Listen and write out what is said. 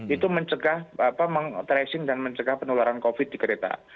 itu mengecegah tracing dan mengecegah penularan covid di kereta